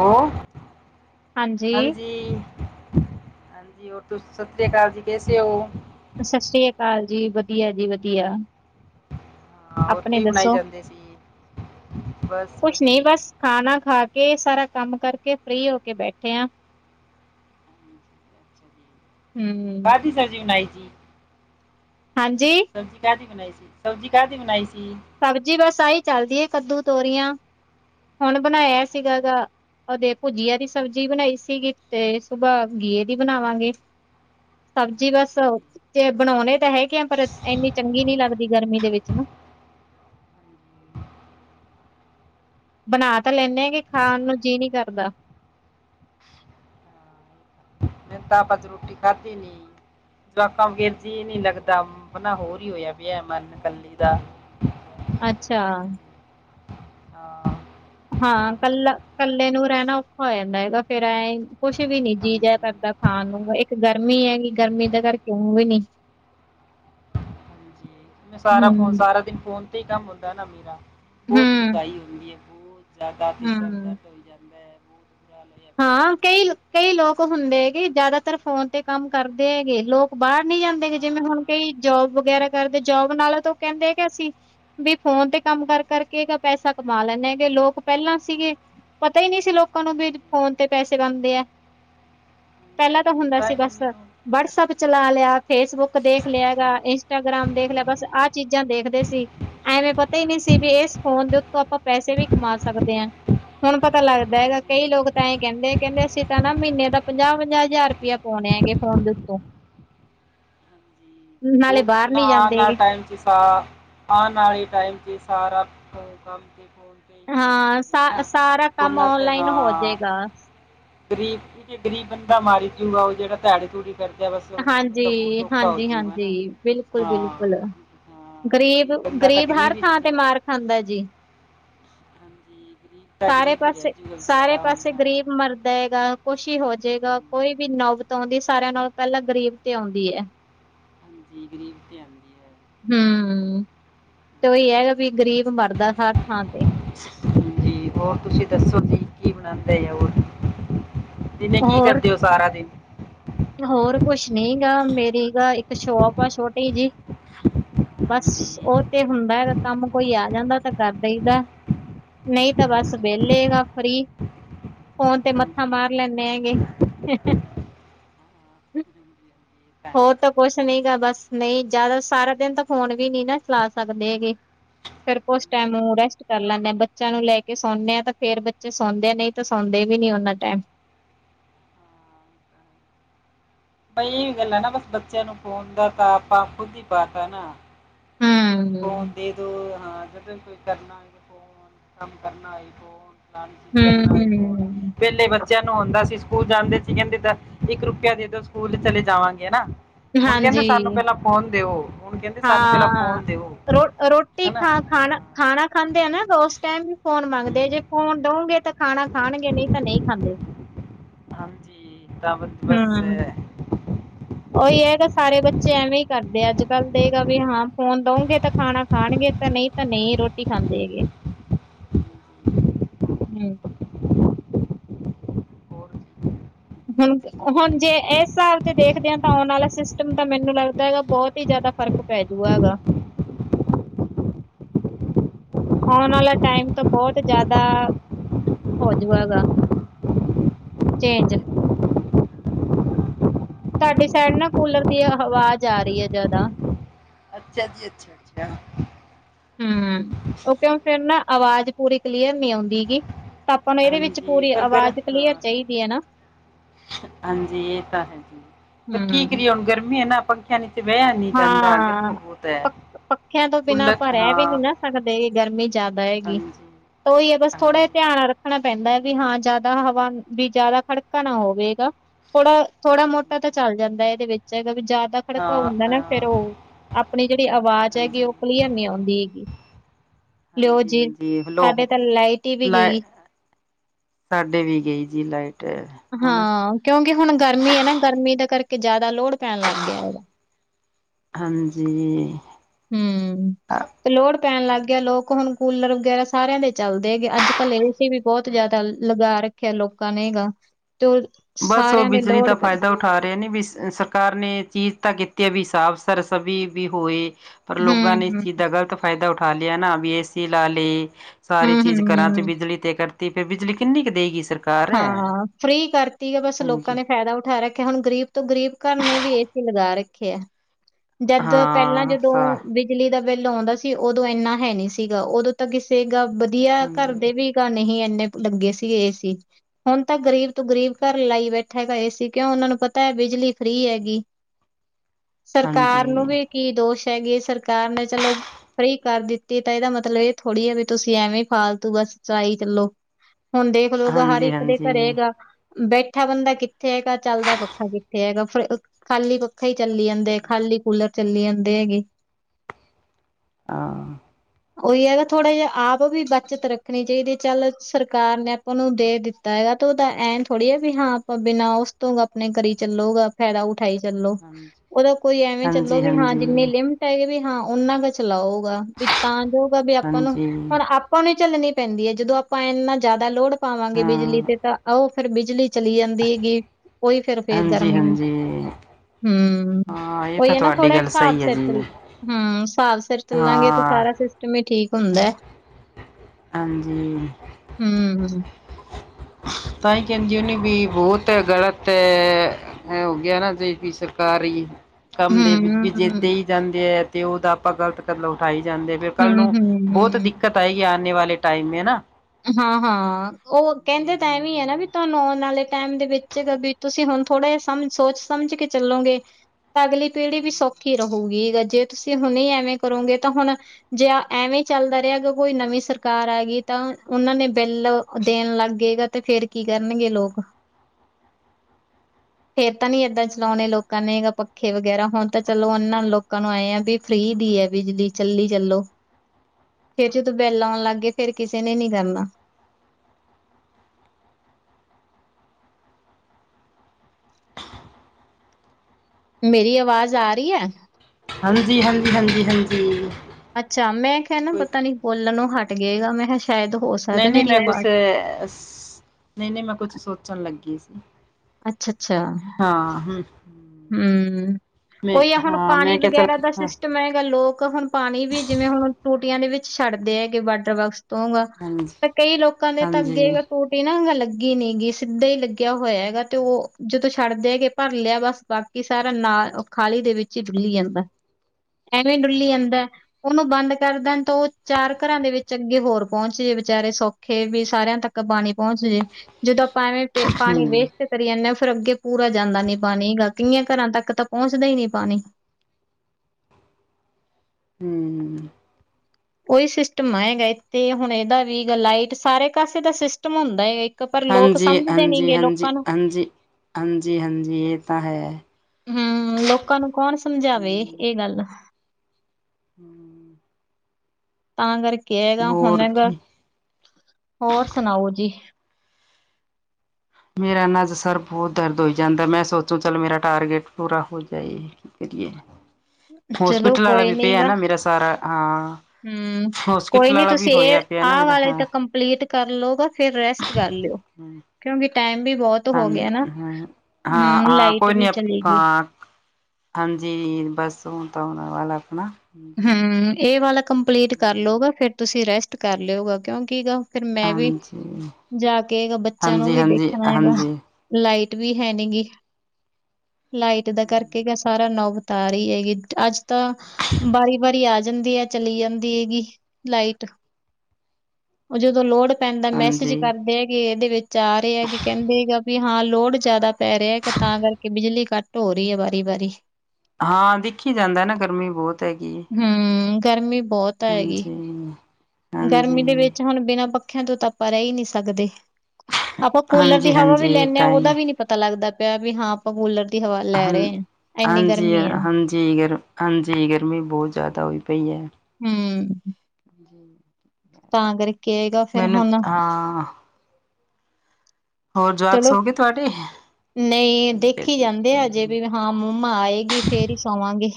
ਹੋ ਹਾਂਜੀ। ਹਾਂਜੀ ਹੋਰ ਤੁਸੀਂ ਸਤਿ ਸ੍ਰੀ ਅਕਾਲ ਜੀ, ਕੈਸੇ ਔ? ਸਤਿ ਸ੍ਰੀ ਅਕਾਲ ਜੀ ਵਧੀਆ ਜੀ ਵਧੀਆ, ਹਾਂ ਹੋਰ ਆਪਣੀ ਕੀ ਬਣਾਈ ਦੱਸੋ ਜਾਂਦੇ ਸੀ ਬਸ ਕੁਛ ਨਹੀਂ ਵਧੀਆ ਬਸ, ਖਾਣਾ ਖਾ ਕੇ ਸਾਰਾ ਕੰਮ ਕਰਕੇ ਫ੍ਰਰੀ ਹੋ ਕੇ ਬੈਠੇ ਆਂ, ਅੱਛਾ ਜੀ [inaudible] ਕਾਹਦੀ ਸਬਜ਼ੀ ਬਣਾਈ ਜੀ, ਹਾਂਜੀ ਸਬਜ਼ੀ ਕਾਹਦੀ ਬਣਾਈ ਸੀ ਸਬਜ਼ੀ ਕਾਹਦੀ ਬਣਾਈ ਸੀ, ਸਬਜ਼ੀ ਬਸ ਆਹੀ ਚੱਲਦੀ ਆ ਕੱਦੂ ਤੋਰੀਆਂ, ਹੁਣ ਬਣਾਇਆ ਅੱਛਾ ਸੀਗਾ ਜੀ ਗਾ, ਉਹਦੇ ਭੁਜੀਆ ਦੀ ਸਬਜ਼ੀ ਬਣਾਈ ਸੀਗੀ ਤੇ ਸੁਬਾਹ ਗੀਏ ਦੀ ਬਣਾਵਾਂਗੇ, ਸਬਜ਼ੀ ਬਸ ਹਾਂਜੀ ਤੇ ਬਣਾਉਣੇ ਤਾਂ ਹੈਗੇ ਆ, ਪਰ ਇੰਨੀ ਚੰਗੀ ਨੀ ਲੱਗਦੀ ਗਰਮੀ ਦੇ ਵਿੱਚ ਨਾ ਹਾਂਜੀ ਹਾਂ। ਬਣਾ ਤਾਂ ਲੈਂਦੇ ਆਂ ਕਿ ਖਾਣ ਨੂੰ ਜੀਅ ਨਹੀਂ ਕਰਦਾ, ਮੈਂ ਤਾ ਆਪਾਂ ਰੋਟੀ ਖਾਧੀ ਨੀ, ਜਵਾਕਾਂ ਵਗੈਰ ਜੀ ਨੀ ਲੱਗਦਾ ਬੰਨਾ ਹੋਰ ਹੀ ਹੋਇਆ ਪਿਆ ਮਨ ਕੱਲੀ ਦਾ, ਅੱਛਾ, ਹਾਂ ਹਾਂ ਕੱਲਾ, ਕੱਲੇ ਨੂੰ ਰਹਿਣਾ ਔਖਾ ਹੋ ਜਾਂਦਾ ਹੈਗਾ ਫੇਰ ਐ ਕੁੱਛ ਵੀ ਨੀ ਜੀ ਜਿਹਾ ਹਾਂਜੀ ਕਰਦਾ, ਖਾਣ ਨੂੰ ਇੱਕ ਗਰਮੀ ਹੈਗੀ ਗਰਮੀ ਦੇ ਕਰਕੇ ਕਿਉ ਵੀ ਨੀ, [inaudible] ਹਾਂਜੀ ਮੈਂ ਸਾਰਾ ਹੂੰ, ਫੋਨ ਸਾਰਾ ਦਿਨ, ਫੋਨ ਤੇ ਹੀ ਕੰਮ ਹੁੰਦਾ ਨਾ ਮੇਰਾ ਬਹੁਤ ਹੂੰ, ਬਤਾਈ ਹੁੰਦੀ ਏ ਜ਼ਿਆਦਾਤੀ ਸਿਰ ਹੂੰ। ਦਰਦ ਹੋਈ ਜਾਂਦਾ ਹੈ ਬੁਰਾ ਹਾਲ ਹੋਇਆ ਪਿਆ ਹਾਂ ਮੇਰਾ ਕਈ, ਕਈ ਲੋਕ ਹੁੰਦੇ ਹੈਗੇ ਜ਼ਿਆਦਾਤਰ ਫੋਨ ਤੇ ਕੰਮ ਕਰਦੇ ਹੈਗੇ ਲੋਕ ਬਾਹਰ, ਨਹੀ ਜਾਂਦੇ ਹਾਂ ਜਿਵੇਂ ਹੁਣ ਕਈ ਜੋਬ ਵਗੈਰਾ ਕਰਦੇ ਜੋਬ ਨਾਲੋ ਤੋਂ ਕਹਿੰਦੇ ਕਿ ਅਸੀਂ, ਵੀ ਫੋਨ ਤੇ ਕੰਮ ਕਰ ਕਰ ਕਰਕੇ ਪੈਸਾ ਕਮਾ ਲੈਂਦੇ ਹੈਗੇ ਲੋਕ ਪਹਿਲਾਂ ਸੀਗੇ ਪਤਾ ਹੀ ਨਹੀਂ ਸੀ ਲੋਕਾਂ ਨੂੰ ਫਿਰ, ਫੋਨ ਤੇ ਪੈਸੇ ਬਣਦੇ ਹੈ ਹਾਂਜੀ ਪਹਿਲਾਂ ਤਾਂ ਹਾਂਜੀ ਹੁੰਦਾ ਸੀ ਹੀ ਬਸ, ਕਹਿੰਦੀ ਨੂੰ ਵਟਸਐਪ ਚਲਾ ਲਿਆ ਫੇਸਬੁੱਕ ਦੇਖ ਲਿਆ ਹੈਗਾ ਹਾਂਜੀ ਇੰਸਟਾਗ੍ਰਾਮ ਦੇਖ ਲਿਆ ਬਸ ਆਹ ਚੀਜ਼ਾਂ ਦੇਖਦੇ ਸੀ ਐਵੇਂ ਪਤਾ ਹੀ ਨਹੀਂ ਸੀ ਹਾਂਜੀ ਵੀ ਇਸ ਫੋਨ ਦੇ ਉੱਤੋਂ ਆਪਾਂ ਪੈਸੇ ਵੀ ਕਮਾ ਸਕਦੇ ਹਾਂ, ਹੁਣ ਪਤਾ ਲੱਗਦਾ ਹੈਗਾ ਕਈ ਲੋਕ, ਤਾਂ ਹੀ ਕਹਿੰਦੇ ਕਹਿੰਦੇ ਅਸੀਂ ਤਾਂ ਨਾ ਮਹੀਨੇ ਦਾ ਪੰਜਾਹ ਪੰਜਾਹ ਹਜ਼ਾਰ ਰੁਪਇਆ ਪਾਉਣੇ ਹੈਗੇ ਫੋਨ ਦੇ ਉੱਤੋਂ ? ! 'ਚ ਆ ਨਾ ਟਾਈਮ 'ਚ ਸਾ ਆਉਣ ਵਾਲੇ ਟਾਈਮ 'ਚ ਸਾਰਾ ਕੰਮ ਤੇ ਫੋਨ ਕਈ ਹੋਣ ਹਾਂ ਸ ਲੱਗ ਪਏ ਨਾ ਸਾਰਾ ਕੰਮ ਫੋਨਾਂ ਤੇ ਔਨਲਾਈਨ ਹੋ ਹਾਂ ਜਾਏਗਾ। ਗਰੀਬ ਕਿ ਗਰੀਬ ਬੰਦਾ ਮਾਰੀ ਚੂਗਾ ਉਹ ਜਿਹੜਾ ਦਿਹਾੜੀ ਦੂੜੀ ਕਰਦਿਆਂ ਬਸ ਉਹਨਾਂ ਨੂੰ ਤਾਂ ਹਾਂਜੀ, ਬਹੁਤ ਔਖਾ ਹੋ ਹਾਂਜੀ, ਜਊਗਾ ਨਾ ਹਾਂਜੀ ਬਿਲਕੁਲ ਹਾਂ ਬਿਲਕੁਲ ਹਾਂ ਗਰੀਬ ਬੰਦਾ ਤਾਂ ਗਰੀਬ ਹਰ ਹੀ ਥਾਂ ਸ- ਤੇ ਮਾਰ ਖਾਂਦਾ ਜੀ ਹਾਂਜੀ ਗਰੀਬ ਤਾਂ ਸਾਰੇ ਗਰੀਬ ਹੀ ਰਹਿ ਪਾਸੇ, ਜੂਗਾ ਸਾਰੇ ਵਿਚਾਰਾ ਹੁਣ ਪਾਸੇ ਹਾਂ ਗ਼ਰੀਬ ਮਰਦ ਤੇ ਗਾ ਕੁਛ ਹੀ ਹੋ ਜਾਏਗਾ ਹਮ, ਕੋਈ ਵੀ ਨੌਬਤ ਆਉਂਦੀ ਸਾਰਿਆਂ ਨਾਲੋ ਪਹਿਲਾਂ ਗ਼ਰੀਬ ਤੇ ਆਉਂਦੀ ਹੈ ਹਾਂਜੀ ਗਰੀਬ 'ਤੇ ਆਉਂਦੀ ਹੈ ਹਮ ਹੂੰ ਤੇ ਉਹੀ ਹੈ ਵੀ ਗਰੀਬ ਮਰਦਾ ਹਰ ਥਾਂ ਤੇ ਹਾਂਜੀ ਹੋਰ ਤੁਸੀਂ ਦੱਸੋ ਜੀ ਕੀ ਬਣਾਉਂਦੇ ਆ ਉਹ ਦਿਨੇ ਕੀ ਹੋਰ ਕਰਦੇ ਉਹ ਸਾਰਾ ਦਿਨ ਹੋਰ ਕੁਛ ਨੀ ਗਾ ਮੇਰੀ ਗ ਇੱਕ ਸ਼ੋਪ ਆ ਛੋਟੀ ਜੀ। ਬਸ ਹਾਂਜੀ ਉਹ ਤੇ ਹੁੰਦੈ ਕੰਮ ਕੋਈ ਆ ਜਾਂਦਾ ਤਾਂ ਕਰ ਦਈਦੈ ਨਹੀਂ ਹਾਂਜੀ ਤਾਂ ਬਸ ਹਾਂਜੀ ਹਾਂ, ਵਿਹਲੇਗਾ ਫ੍ਰੀ ਫੋਨ ਤੇ ਮੱਥਾ ਹਾਂਜੀ ਮਾਰ ਲੈਂਦੇ ਹੈਗੇ ਹਮ [inaudible] ਹਾਂਜੀ ਇਹ ਹੈ। ਹੋਰ ਤਾਂ ਕੁਛ ਨੀ ਗਾ ਬਸ ਨਹੀਂ ਜਿਆਦਾ ਸਾਰਾ ਦਿਨ ਤਾਂ ਫੋਨ ਵੀ ਨੀ ਨਾ ਚਲਾ ਸਕਦੇ ਹੈਗੇ। ਫੇਰ ਕੁਛ ਟੈਮ ਹਾਂਜੀ ਰੈਸਟ ਕਰ ਲੈਂਦੇ ਆਂ ਬੱਚਿਆਂ ਨੂੰ ਲੈ ਕੇ ਸੌਂਨੇ ਆਂ ਤਾਂ ਫੇਰ ਬੱਚੇ ਸੌਂਦੇ ਆ ਨਹੀਂ ਤੇ ਸੌਂਦੇ ਵੀ ਨੀ ਉਹਨਾਂ ਟੈਮ ਬਈ ਇਹ ਗੱਲ ਆ ਨਾ ਬਸ ਬੱਚਿਆਂ ਨੂੰ ਫੋਨ ਦਾ ਤਾਂ ਆਪਾਂ ਖੁਦ ਹੀ ਪਾ ਤਾ ਨਾ ਜੇ ਫੋਨ ਹੂੰ। ਦੇ ਦਓ ਹਾਂ ਜਦੋਂ ਵੀ ਕੋਈ ਕਰਨਾ ਹੋਏ ਫੋਨ ਕੰਮ ਕਰਨਾ ਹੋਏ ਫੋਨ ਕੰਮ ਕਰਨਾ ਹੋਏ ਫੋਨ ਹੂੰ-ਹੂੰ। ਵੇਹਲੇ ਬ ਬੱਚਿਆਂ ਨੂੰ ਹੁੰਦਾ ਸੀ ਸਕੂਲ ਜਾਂਦੇ ਸੀ ਕਹਿੰਦੇ ਇੱਕ ਰੁਪਆ ਦੇ ਦੋ ਸਕੂਲ ਚਲੇ ਜਾਵਾਂਗੇ ਹਨਾ ਹੁਣ ਕਹਿੰਦੇ ਹਾਂਜੀ। ਸਾਨੂੰ ਪਹਿਲਾਂ ਫੋਨ ਦੇਓ ਹੁਣ ਕਹਿੰਦੇ ਸਾਨੂੰ ਪਹਿਲਾਂ ਹਾਂ। ਫੋਨ ਦੇਓ ਰੋ ਰੋਟੀ ਹਨਾ ਖਾ ਖਾਣਾ ਖਾਣਾ ਖਾਂਦੇ ਆ ਨਾ ਉਸ ਟੈਮ ਵੀ ਫ਼ੋਨ ਮੰਗਦੇ ਜੇ ਫੋਨ ਦੋਓਗੇ ਤਾਂ ਖਾਣਾ ਖਾਣਗੇ ਨਹੀਂ ਤਾਂ ਨਹੀਂ ਖਾਂਦੇ ਹਾਂਜੀ ਤਾਂ ਬ ਬਸ ਹੂੰ। ਉਹੀ ਹੈਗਾ ਸਾਰੇ ਬੱਚੇ ਐਵੇਂ ਹੀ ਕਰਦੇ ਐ ਅੱਜ ਕੱਲ ਦੇਗਾ ਵੀ ਹਾਂ ਫੋਨ ਦਉਂਗੇ ਤਾਂ ਖਾਣਾ ਖਾਣਗੇ ਤਾਂ ਨਹੀਂ ਤਾਂ ਨਹੀਂ ਰੋਟੀ ਖਾਂਦੇ ਹੈਗੇ ਹਮ ਹੋਰ [unintelligible] ਹੁਣ ਜੇ ਇਸ ਹਿਸਾਬ ਤੇ ਦੇਖਦੇ ਆਂ ਤਾਂ ਆਉਣ ਵਾਲਾ ਸਿਸਟਮ ਦਾ ਮੈਨੂੰ ਲੱਗਦਾ ਹੈਗਾ ਬਹੁਤ ਹੀ ਜ਼ਿਆਦਾ ਫਰਕ ਪੈ ਜੂ ਹੈਗਾ ਆਉਣ ਆਲਾ ਟਾਈਮ ਤਾਂ ਬਹੁਤ ਜ਼ਿਆਦਾ ਹੋਜੂ ਆਗਾ ਚੇਂਜ ਤੁਹਾਡੀ ਸੈਡ ਨਾ ਕੂਲਰ ਦੀ ਆਵਾਜ਼ ਆ ਰਹੀ ਹੈ ਜ਼ਿਆਦਾ ਅੱਛਾ ਜੀ ਅੱਛਾ ਅੱਛਾ ਹਮ ਉਹ ਕਿਉਂ ਫੇਰ ਨਾ ਆਵਾਜ਼ ਪੂਰੀ ਕਲੀਅਰ ਨੀ ਆਉਂਦੀ ਗੀ ਤਾਂ ਆਪਾਂ ਨੂੰ ਇਹਦੇ ਵਿੱਚ ਹਾਂਜੀ ਪੂਰੀ ਪਰ ਗਰ ਆਵਾਜ਼ ਕਲੀਅਰ ਹਾਂ ਚਾਹੀਦੀ ਐ ਨਾ ਹਾਂਜੀ ਇਹ ਤਾਂ ਹੈ ਜੀ ਪਰ ਕੀ ਹਮ ਕਰੀਏ ਹੁਣ ਗਰਮੀ ਹੈ ਨਾ ਤੇ ਬੇਆ ਨੀ ਜਾਂਦਾ ਹਾਂ ਗਰਮੀ ਬਹੁਤ ਹੈ ਪ ਪੱਖਿਆਂ ਤੋਂ ਬਿਨਾਂ ਕੁੱਲਰ ਆਪਾਂ ਰਹਿ ਵੀ ਹਾਂ ਨਹੀਂ ਨਾ ਸਕਦੇ ਗਰਮੀ ਜ਼ਿਆਦਾ ਹੈਗੀ ਹਾਂਜੀ ਤਾਂ ਉਹੀ ਹੈ ਬਸ ਥੋੜ੍ਹਾ ਹਾਂਜੀ ਜ ਧਿਆਨ ਰੱਖ ਹਾਂਜੀ, ਰਖਣਾ ਪੈਂਦੈ ਵੀ ਹਾਂ ਜ਼ਿਆਦਾ ਹਵਾ ਵੀ ਜਿਆਦਾ ਖੜਕਾ ਨਾ ਹੋਵੇਗਾ ਥੋੜਾ ਥੋੜਾ ਮੋਟਾ ਤਾਂ ਚੱਲ ਜਾਂਦੈ ਇਹਦੇ ਵਿੱਚ ਹੈਗਾ ਵੀ ਜ਼ਿਆਦਾ ਖੜਕਾ ਹਾਂ ਹੁੰਦਾ ਨਾ ਫੇਰ ਅਹ, ਉਹ ਆਪਣੀ ਜਿਹੜੀ ਆਵਾਜ਼ ਹੈਗੀ ਉਹ ਹਾਂਜੀ ਕਲੀਅਰ ਨਹੀਂ ਆਉਂਦੀ ਹੈਗੀ ਲਿਓ ਹਾਂਜੀ ਜੀ ਹਾਂਜੀ ਸਾਡੇ ਹਲੋ ਤਾਂ ਲਾਈਟ ਹੀ ਵੀ ਲਾਈ ਗਈ। ਸਾਡੇ ਵੀ ਗਈ ਜੀ ਲਾਈਟ ਹੁਣ ਹਾਂ ਕਿਉਂਕਿ ਹੁਣ ਗਰਮੀ ਹੈ ਨਾ ਗਰਮੀ ਦੇ ਕਰਕੇ ਜ਼ਿਆਦਾ ਲੋੜ ਪੈਣ ਲੱਗ ਗਿਐਂ। ਹਾਂਜੀ ਹਮ ਅ- ਤੇ ਲੋੜ ਪੈਣ ਲੱਗ ਗਿਆ ਲੋਕ ਹੁਣ ਕੂਲਰ ਵਗੈਰਾ ਸਾਰਿਆਂ ਦੇ ਚੱਲਦੇ ਗੇ ਅੱਜ ਕੱਲ ਏ ਸੀ ਵੀ ਬਹੁਤ ਜਿਆਦਾ ਲਗਾ ਰੱਖਿਆ ਲੋਕਾਂ ਨੇ ਗਾ ਬਸ ਉਹ ਬਿਜਲੀ ਦਾ ਪੈ ਫ਼ਾਇਦਾ ਉਠਾ ਰਹੇ ਨੇ ਵੀ ਸਰਕਾਰ ਨੇ ਚੀਜ਼ ਤਾਂ ਕੀਤੀ ਹੈ ਵੀ ਸਾਫ਼ ਸਰ ਸਭੀ ਵੀ ਹੋਏ ਪਰ ਲੋਕਾਂ ਨੇ ਇਸ ਹੂੰ, ਚੀਜ਼ ਦਾ ਗ਼ਲਤ ਫਾਇਦਾ ਉਠਾ ਲਿਆ ਨਾ ਵੀ ਏਸੀ ਲਾ ਲਏ ਸਾਰੀ ਹੂੰ, ਚੀਜ਼ ਘਰਾਂ ਚ ਹੂੰ, ਬਿਜਲੀ ਤੇ ਕਰਤੀ ਫੇਰ ਬਿਜਲੀ ਕਿੰਨੀ ਕ ਦੇਵੇਗੀ ਸਰਕਾਰ ਹਾਂ ਫ੍ਰੀ ਕਰਤੀ ਗ ਬਸ ਲੋਕਾਂ ਹਾਂਜੀ ਨੇ ਫਾਇਦਾ ਉਠਾਇਆ। ਹੁਣ ਗ਼ਰੀਬ ਤੋਂ ਗਰੀਬ ਘਰ ਨੇ ਵੀ ਏ ਸੀ ਲਗਾ ਰੱਖਿਐ। ਜਦ ਪਹਿਲਾਂ ਹਾਂ ਜਦੋਂ ਸਾ ਬਿਜਲੀ ਦਾ ਬਿੱਲ ਆਉਂਦਾ ਸੀ ਉਦੋਂ ਇੰਨਾ ਹੈ ਨੀ ਸੀਗਾ ਉਦੋਂ ਤਾਂ ਕਿਸੇ ਗਾ ਵਧੀਆ ਘਰ ਦੇ ਹਾਂਜੀ ਵੀ ਤਾਂਣੇ ਹੀ ਇੰਨੇ ਲੱਗੇ ਏਸੀ। ਹੁਣ ਤਾਂ ਗ਼ਰੀਬ ਤੋਂ ਗ਼ਰੀਬ ਘਰ ਲਾਈ ਬੈਠਾ ਐ ਗਾ ਏਸੀ ਕਿਉਂ ਉਹਨਾਂ ਨੂੰ ਪਤਾ ਐ ਬਿਜਲੀ ਫ੍ਰੀ ਹੈਗੀ। ਸਰਕਾਰ ਨੂੰ ਹਾਂਜੀ ਵੀ ਕੀ ਦੋਸ਼ ਐ ਜੇ ਸਰਕਾਰ ਨੇ ਚਲੋ। ਫਰੀ ਕਰ ਦਿੱਤੀ ਤਾਂ ਇਹਦਾ ਮਤਲਬ ਇਹ ਥੋੜ੍ਹੀ ਆ ਵੀ ਤੁਸੀਂ ਐਵੇਂ ਫਾਲਤੂ ਚਲਾਈ ਚੱਲੋ। ਹੁਣ ਦੇਖਲੋ ਹਰ ਹਾਂਜੀ ਇੱਕ ਦੇ ਹਾਂਜੀ ਘਰੇਗਾ। ਬੈਠਾ ਬੰਦਾ ਕਿੱਥੇ ਹੈਗਾ ਚੱਲਦਾ ਪੱਖਾ ਕਿੱਥੇ ਐ ਗਾ ਫੇਰ ਖਾਲੀ ਪ ਚੱਲੀ ਜਾਂਦੇ ਐ ਖਾਲੀ ਕੂਲਰ ਚੱਲੀ ਜਾਂਦੇ ਹੈਗੇ। ਹਾਂ, ਉਹੀ ਹੈਗਾ ਥੋੜਾ ਜਿਹਾ ਆਪ ਵੀ ਬੱਚਤ ਰੱਖਣੀ ਚਾਹੀਦੀ ਐ ਚੱਲ ਸਰਕਾਰ ਨੇ ਆਪਾਂ ਨੂੰ ਦੇ ਦਿੱਤਾ ਹੈਗਾ ਤੇ ਉਹਦਾ ਐ ਥੋੜ੍ਹੀ ਐ ਵੀ ਹਾਂ ਆਪਾਂ ਬਿਨਾਂ ਉਸ ਤੋਂ ਆਪਣੇ ਕਰੀ ਚੱਲੋਗਾ ਫਾਇਦਾ। ਬਠਾਈ ਚੱਲੋ, ਹਾਂਜੀ ਉਹਦਾ ਕੋਈ ਐਵੇਂ ਚੱਲੋ ਹਾਂਜੀ ਹਾਂਜੀ ਵੀ ਹਾਂ ਜਿੰਨੇ ਲਿੰਮ ਹੈਗੇ ਵੀ ਹਾਂ ਉਹਨਾ ਦਾ ਚਲਾਉਗਾ ਵੀ ਤਾਂ ਜੋਊਗਾ ਵੀ ਆਪਾਂ ਨੂੰ ਹਾਂਜੀ ਹੁਣ ਆ ਆਪਾਂ ਨੂੰ ਝੱਲਣੀ ਪੈਂਦੀ ਐ ਜਦੋਂ ਆਪਾਂ ਇੰਨਾ ਜ਼ਿਆਦਾ ਲੋੜ ਪਾਵਾਂਗੇ ਹਾਂ ਬਿਜਲੀ ਤੇ ਤਾਂ ਉਹ ਫਿਰ ਬਿਜਲੀ ਚਲੀ ਜਾਂਦੀ ਹੈ ਗੀ ਉਹੀ ਫਿਰ ਫੇਰ ਗਰਮੀ ਹੂੰ, ਹੂੰ, ਉਹੀ ਐ ਨਾ ਥੋੜਾ ਗੱਲ ਹਿਸਾਬ ਸਹੀ ਹੈ ਸਿਰ ਚ ਜੀ ਹੂੰ ਹਾਬ ਸਿਰ ਚੱਲਾਂਗੇ ਤਾਂ ਹਾਂ ਸਾਰਾ ਸਿਸਟਮ ਹੀ ਠੀਕ ਹੁੰਦਾ। ਹਾਂਜੀ, ਹੂੰ, ਤਾਂਹੀ ਕਹਿੰਦੀ ਹੋਨੀ ਵੀ ਬੋਤ ਗਲਤ ਐ। ਇਹ ਹੋ ਗਿਆ ਨਾ ਜੇ ਸਰਕਾਰੀ ਕੰਮ ਹੂੰ ਦੇ ਵੀ ਜੇ ਹੂੰ ਦੇਈ ਜਾਂਦੇ ਐ ਤੇ ਉਹਦਾ ਆਪਾਂ ਗ਼ਲਤ ਕਦਮ ਉਠਾਈ ਜਾਂਦੇ। ਕੱਲ ਹੂੰ ਨੂੰ ਬਹੁਤ ਹੂੰ ਦਿੱਕਤ ਆਈ ਐ ਆਨੇ ਵਾਲੇ ਟਾਈਮ ਮੈਂ ਹਨਾ। ਹਾਂ-ਹਾਂ ਉਹ ਕਹਿੰਦੇ ਤਾਂ ਐਵੇਂ ਐ ਹਾਂਜੀ ਨਾ ਵੀ ਤੁਹਾਨੂੰ ਆਉਣ ਆਲੇ ਟੈਮ ਦੇ ਵਿੱਚ ਵੀ ਤੁਸੀਂ ਹੁਣ ਥੋੜ੍ਹਾ ਜਿਹਾ ਸਮਝ ਸੋਚ ਸਮਝ ਕੇ ਚੱਲੋਗੇ। ਤਾਂ ਅਗਲੀ ਪੀੜ੍ਹੀ ਵੀ ਸੌਖੀ ਰਹੁੰਗੀ ਜੇ ਤੁਸੀਂ ਹੁਣ ਐਵੇਂ ਕਰੋਗੇ ਤਾਂ ਹੁਣ ਜੇ ਐਵੇਂ ਚੱਲਦਾ ਰਿਆ ਅਗਰ ਕੋਈ ਨਵੀਂ ਸਰਕਾਰ ਆ ਗਈ ਤਾਂ ਉਹਨਾਂ ਨੇ ਬਿੱਲ ਦੇਣ ਲੱਗਗੇ ਗਾ ਤੇ ਫੇਰ ਕੀ ਕਰਨਗੇ ਲੋਕ ਫੇਰ ਤਾਂ ਨੀ ਏਦਾਂ ਚਲਾਉਣੇ ਲੋਕਾਂ ਨੇ ਹੈਗਾ ਪੱਖੇ ਵਗੈਰਾ ਹੁਣ ਤਾਂ ਚਲੋ ਉਹਨਾਂ ਲੋਕ ਲੋਕਾਂ ਨੂੰ ਐ ਏ ਆ ਵੀ ਫ੍ਰਰੀ ਦੀ ਐ ਬਿਜਲੀ ਚੱਲੀ ਚੱਲੋ। ਫੇਰ ਜਦੋਂ ਬਿਲ ਆਉਣ ਲੱਗ ਗਏ ਫੇਰ ਕਿਸੇ ਨੇ ਨੀ ਕਰਨਾ। ਮੇਰੀ ਆਵਾਜ਼ ਆ ਰੀ ਐ। ਹਾਂਜੀ-ਹਾਂਜੀ-ਹਾਂਜੀ-ਹਾਂਜੀ। ਅੱਛਾ ਮੈਂ ਕਹਿਣਾ ਪਤਾ ਨੀ ਬੋਲਣੋ ਨੂੰ ਹਟ ਗਏਗਾ ਮੈਂ ਕਿ ਸੈਦ ਹੋ ਸਕਦਾ ਨਈ-ਨਈ ਮੇਰੀ ਮੈਂ ਕੁਛ ਆਵਾਜ਼ ਨਈ ਨਈ ਮੈਂ ਕੁਛ ਸੋਚਣ ਲੱਗੀ ਸੀ। ਅੱਛਾ-ਅੱਛਾ, ਹਾਂ ਹੂੰ, ਹੂੰ, ਉਹੀ ਆ ਹੁਣ ਹਾਂ ਪਾਣੀ ਮੈਂ ਕਿਹਾ ਚੱਲ ਵਗੈਰਾ ਦਾ ਹਾਂ ਸਿਸਟਮ ਐ ਗਾ ਲੋਕ ਹੁਣ ਪਾਣੀ ਵੀ ਜਿਵੇਂ ਹੁਣ ਟੂਟੀਆਂ ਦੇ ਵਿੱਚ ਛੱਡਦੇ ਹੈਗੇ ਵਾਟਰ ਬਕਸ ਊਗਾ, ਹਾਂਜੀ ਤੇ ਕਈ ਲੋਕਾਂ ਦੇ ਤਾਂ ਅੱਗੇ ਹਾਂਜੀ ਨਾ ਲੱਗੀ ਨੀ ਗੀ ਸਿੱਧਾ ਈ ਲੱਗਿਆ ਹੋਇਆ ਐ ਗਾ ਤੇ ਉਹ ਜਦੋਂ ਛੱਡਦੇ ਐ ਗੇ ਭਰ ਲਿਆ ਬਸ ਬਾਕੀ ਸਾਰਾ ਨਾਲ ਖਾਲੀ ਦੇ ਵਿੱਚ ਹੀ ਡੁੱਲੀ ਜਾਂਦਾ, ਐਵੇਂ ਡੁੱਲੀ ਜਾਂਦਾ। ਹੂੰ ਓਨੂੰ ਬੰਦ ਕਰ ਦੈਨ ਤੋ ਚਾਰ ਘਰਾਂ ਦੇ ਵਿੱਚ ਅੱਗੇ ਹੋਰ ਪਹੁੰਚ ਏ ਵਚਾਰੇ ਸੌਖੇ ਵੀ ਸਾਰੇਆਂ ਤੱਕ ਕ ਬਾਣੀ ਪੌਂਚ ਜੇ ਜਦੋਂ ਆਪਾਂ ਐਂਵੇਂ ਪੇ ਪਾਣੀ ਵੇਸਟ ਕਰੀ ਜਾਂਨੇ ਆਂ ਫੇਰ ਅੱਗੇ ਪੂਰਾ ਜਾਂਦਾ ਨੀ ਪਾਣੀ। ਗਲਤੀ ਐਂ ਘਰਾਂ ਤੱਕ ਤਾਂ ਪੌਂਚਦਾ ਈ ਨੀ ਪਾਣੀ। ਹੂੰ। ਓਈ ਸਿਸਟਮ ਐ ਹੈਗਾ ਏੱਕ ਤੇ। ਹੁਨ ਏਦਾ ਵੀ ਗ ਲਾਈਟ ਸਾਰੇ ਪਾਸੇ ਦਾ ਸਿਸਟਮ ਹੁੰਦਾ ਐ। ਹਾਂਜੀ, ਹਾਂਜੀ, ਹਾਂਜੀ, ਹਾਂਜੀ, ਹਾਂਜੀ, ਹਾਂਜੀ ਏ ਤਾਂ ਹੈ। ਹੂੰ, ਲੋਕਾਂ ਨੂੰ ਕੌਣ ਸਮਝਾਵੇ ਏਹ ਗੱਲ। ਹੂੰ। ਤਾਂ ਕਰਕੇ ਹੈਗਾ ਹੁਣ ਹੋਰ ਗ। ਜੀ ਹੋਰ ਸੁਣਾਓ ਜੀ? ਮੇਰਾ ਨਾ ਅੱਜ ਸਰ ਬੋਹੋਤ ਦਰਦ ਹੋਈ ਜਾਂਦਾ, ਮੈਂ ਸੋਚੋ ਚੱਲ ਮੇਰਾ ਟਾਰਗੇਟ ਪੂਰਾ ਹੋ ਜਾਏ। ਚਲੋ ਹੋਸਪਿਟਲ ਆਲਾ ਕੋਈ ਵੀ ਨੀ ਪਿਐ ਗਾ ਨਾ ਮੇਰਾ ਸਾਰਾ, ਹਾਂ। ਹੂੰ। ਕੋਈ ਹੋਸਪਿਟਲ ਨੀ ਵਾਲਾ ਤੁਸੀ ਵੀ ਏ, ਹੋਇਆ ਪਿਆ ਨਾ ਆ ਮੇਰਾ ਵਾਲੇ ਹਾਂ ਤਾਂ ਕੰਪਲੀਟ ਕਰ ਲਓਗਾ ਫੇਰ ਰੈਸਟ ਕਰ ਲੇਓ। ਕਿਉਂਕਿ ਟਾਈਮ ਵੀ ਬੋਤ ਹਾਨੰ, ਹੰ, ਹਾਂ, ਹਾਂ, ਲਾਈਟ ਕੋਈ ਨੀ ਵੀ ਚਲੀ ਗਈ। ਹਾਂ। ਹਾਂਜੀ, ਬਸ ਹੁਣ ਤਾਂ [unintelligible] ਵਾਲਾ ਆਪਣਾ। ਹੂੰ, ਏ ਵਾਲਾ ਕੰਪਲੀਟ ਕਰ ਲੋਗਾ ਫੇਰ ਤੁਸੀ ਰੈਸਟ ਕਰ ਲਿਓਗਾ ਕਿਉਂ ਕਿ ਗਾ। ਫਿਰ ਮੈਂ ਵੀ ਹਾਂਜੀ ਜਾ ਕੇ ਗਾ ਬੱਚੇਆਂ ਨੂੰ ਹਾਂਜੀ, ਵੀ ਹਾਂਜੀ, ਦੇਖਣਾ ਹੈਗਾ। ਹਾਂਜੀ, ਲਾਈਟ ਵੀ ਹੈ ਨੀਗੀ। ਲਾਈਟ ਦਾ ਕਰਕੇ ਗਾ ਸਾਰਾ ਨਵ ਤਾਰ ਈ ਹੈਗੀ, ਅੱਜ ਤਾਂ ਬਾਰੀ ਬਾਰੀ ਆ ਜਾਂਦੀ ਐ ਚਲੀ ਜਾਂਦੀ ਹੈਗੀ, ਲਾਈਟ। ਓ ਜਦੋਂ ਲੋੜ ਪੈਂਦਾ ਮੈਸੇਜ ਹਾਂਜੀ। ਕਰਦੇ ਏ ਕਿ ਏਦੇ ਵਿੱਚ ਆ ਰੇ ਐ ਕਿ ਕੈਂਦੇ ਏੱਕ ਵਾਰ ਵੀ ਹਾਂ ਲੋੜ ਜਿਆਦਾ ਪੈ ਰਿਐ ਕ ਤਾਂ ਕਰਕੇ ਬਿਜਲੀ ਕੱਟ ਹੋ ਰੀ ਐ ਵਾਰੀ-ਵਾਰੀ। ਹਾਂ, ਦਿੱਖ ਈ ਜਾਂਦੈ ਨਾ ਗਰਮੀ ਬੋਤ ਹੈਗੀ ਏ। ਹੂੰ, ਗਰਮੀ ਬੋ ਹਾਂਜੀ। ਗਰਮੀ ਦੇ ਹਾਂਜੀ, ਵਿੱਚ ਹੁਣ ਬਿਨਾਂ ਪੱਖੇਆਂ ਦੇ ਤੋਂ ਤਾਂ ਆਪਾਂ ਰੈ ਈ ਨੀ ਸਕਦੇ। ਆਪਾਂ ਕੂਲਰ ਦੀ ਹਾਂਜੀ, ਹਵਾ ਵੀ ਹਾਂਜੀ ਇਹ ਲੈਂਨੇ ਆਂ ਤਾਂ ਓਦਾ ਹੀ ਵੀ ਨੀ ਪਤਾ ਲੱਗਦਾ ਪਿਐ ਵੀ ਹਾਂ ਆਪਾਂ ਕੂਲਰ ਦੀ ਹਵਾ ਲੈ ਰੇ ਆਂ ਐਨੀ ਗਰਮੀ ਐ ਹੂੰ ਗਰ, ਹਾਂਜੀ ਗਰਮੀ ਬੋਤ ਜਾਦਾ ਹੋਈ ਪਈ ਐ। ਹੂੰ। ਜੀ। ਤਾਂ ਕਰਕੇ ਹੈਗਾ ਫੇਰ ਹੁਣ ਹਾਂ ਹੋਰ ਜਵਾਕ ਚਲੋ, ਸੋ ਗਏ ਤੁਹਾਡੇ ਨਈ ਏ ਠੀਕ ਹੈ ਦੇਖੀ ਜੀ ਜਾਂਦੇ ਹਜੇ ਹਾਂਜੀ। ਵੀ ਮੈਂ ਹਾਂ ਮੰਮਾ ਆਏਗੀ ਫੇਰ ਹੀ ਸੋਵਾਂਗੇ।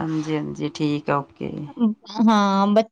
ਹਾਂਜੀ-ਹਾਂਜੀ ਠੀਕ ਆ, ਓਕੇ ਜੀ। ਹਾਂ ਬੱਚੇ